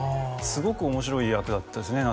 すごく面白い役だったですね